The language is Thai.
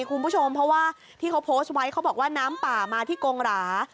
คุณผู้ชมเพราะว่าที่เขาโพสต์ไว้เขาบอกว่าน้ำป่ามาที่กงหรา